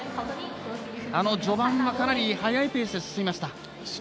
序盤はかなり速いペースで進みました。